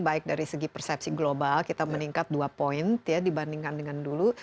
baik dari segi persepsi global kita meningkat dua poin dibandingkan dengan dulu